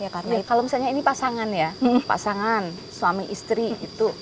kalau misalnya ini pasangan ya pasangan suami istri